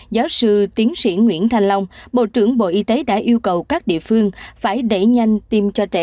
giáo sư tiến sĩ nguyễn thanh long bộ trưởng bộ y tế đã yêu cầu các địa phương phải đẩy nhanh tiêm cho trẻ